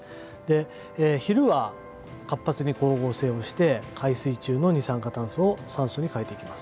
昼は活発に光合成をして海水中の二酸化炭素を酸素に変えていきます。